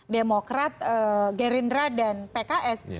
demokrat gerindra dan pks